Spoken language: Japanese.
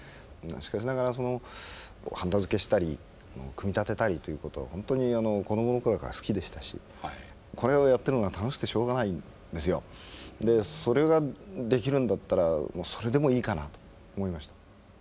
しかしながらハンダ付けしたり組み立てたりということをほんとに子供の頃から好きでしたしこれをやってるのが楽しくてしょうがないんですよ。それができるんだったらそれでもういいかなと思いました。